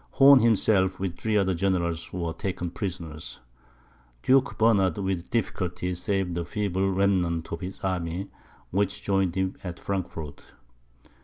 Horn himself, with three other generals, were taken prisoners. Duke Bernard with difficulty saved a feeble remnant of his army, which joined him at Frankfort.